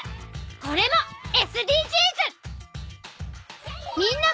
これもＳＤＧｓ。